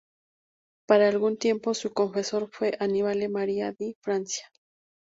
Para algún tiempo, su confesor fue Annibale Maria di Francia.